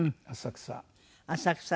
浅草。